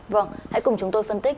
vâng hãy cùng chúng tôi phân tích